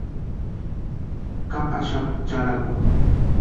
Kapaxapti charhaku.